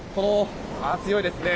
強いですね。